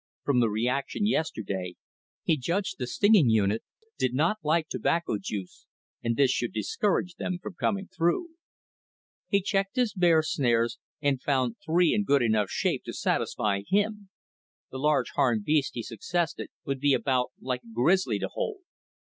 From the reaction yesterday, he judged the stinging units did not like tobacco juice, and this should discourage them from coming through. He checked his bear snares and found three in good enough shape to satisfy him the large Harn beast, he suspected, would be about like a grizzly to hold.